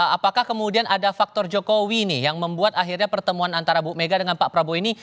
apakah kemudian ada faktor jokowi nih yang membuat akhirnya pertemuan antara bu mega dengan pak prabowo ini